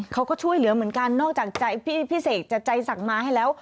เขาก็ช่วยเหลือเหมือนกันนอกจากใจพี่เสกจะใจสั่งมาให้แล้ว